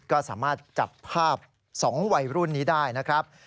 ก็สามารถจับภาพ๒วัยรุ่นนี้ได้นะครับ